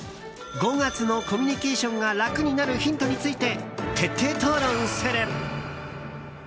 ５月のコミュニケーションが楽になるヒントについて徹底討論する。